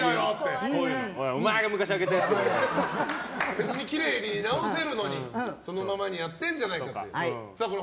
別にきれいに直せるのにそのままにしてるんじゃないか。